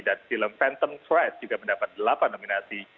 dan film phantom threat juga mendapat delapan nominasi